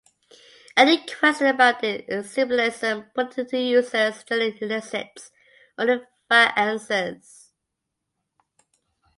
Any question about their symbolism put to the users generally elicits only vague answers.